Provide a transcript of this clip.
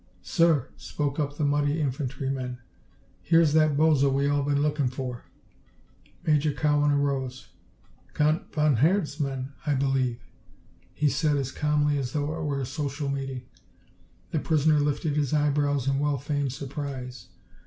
"Sir," spoke up the muddy infantryman, "here's that bozo we all been lookin' for." Major Cowan arose. "Count von Herzmann, I believe?" he said as calmly as though it were a social meeting. The prisoner lifted his eyebrows in well feigned surprise.